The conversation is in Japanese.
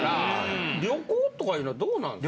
旅行とかいうのはどうなんですか？